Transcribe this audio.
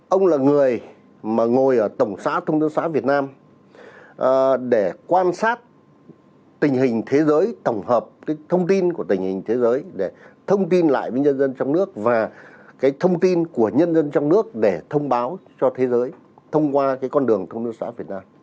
ông là người mà ngồi ở tổng xã thông hiếu xã việt nam để quan sát tình hình thế giới tổng hợp cái thông tin của tình hình thế giới để thông tin lại với nhân dân trong nước và cái thông tin của nhân dân trong nước để thông báo cho thế giới thông qua cái con đường thông minh xã việt nam